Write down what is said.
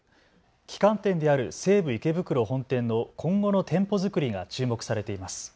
旗艦店である西武池袋本店の今後の店舗作りが注目されています。